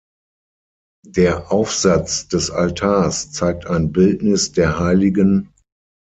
Der Aufsatz des Altars zeigt ein Bildnis der hl.